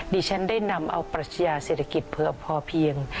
ดิฉันได้นำเอาปรัชญาเศรษฐกิจพอเพียง